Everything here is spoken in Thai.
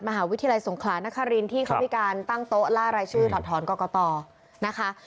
มหาวิทยาลัยสงขลานครินที่เขามีการตั้งโต๊ะล่ารายชื่อถอดถอนกรกตนะคะ